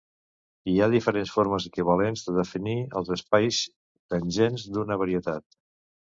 Hi ha diferents formes equivalents de definir els espais tangents d'una varietat.